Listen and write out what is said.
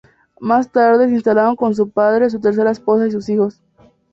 Más tarde, se instalaron con su padre, su tercera esposa y sus hijos.